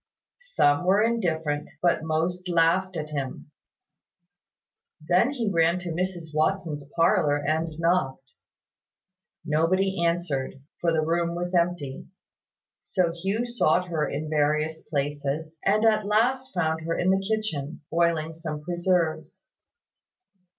Some were indifferent, but most laughed at him. Then he ran to Mrs Watson's parlour, and knocked. Nobody answered; for the room was empty: so Hugh sought her in various places, and at last found her in the kitchen, boiling some preserves.